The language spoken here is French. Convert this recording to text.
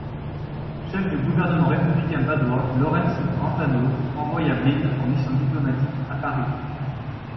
Chef du gouvernement républicain badois, Lorenz Brentano envoya Blind en mission diplomatique à Paris.